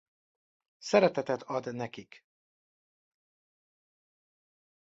Szeretetet ad nekik.